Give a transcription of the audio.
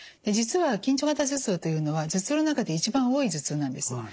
実は緊張型頭痛というのは頭痛の中で一番多い頭痛なんです。